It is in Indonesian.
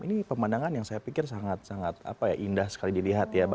ini pemandangan yang saya pikir sangat sangat indah sekali dilihat ya